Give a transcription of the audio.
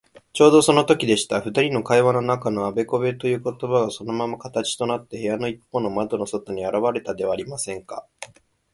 ちょうどそのときでした。ふたりの会話の中のあべこべということばが、そのまま形となって、部屋のいっぽうの窓の外にあらわれたではありませんか。